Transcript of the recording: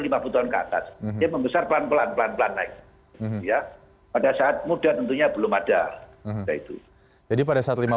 tahun ke atas dia membesar pelan pelan naik ya pada saat muda tentunya belum ada jadi pada saat lima puluh